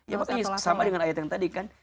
ya makanya sama dengan ayat yang tadi kan